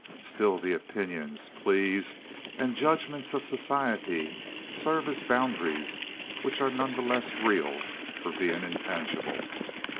Still, the opinions, pleas, and judgments of society serve as boundaries which are none the less real for being intangible.